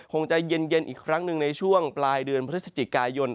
คงจะเย็นอีกครั้งหนึ่งในช่วงปลายเดือนพฤศจิกายน